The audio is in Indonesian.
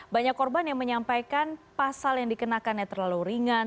banyak korban yang menyampaikan pasal yang dikenakannya terlalu ringan